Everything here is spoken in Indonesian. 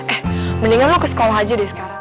eh mendingan aku ke sekolah aja deh sekarang